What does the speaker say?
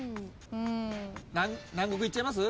南国いっちゃいます？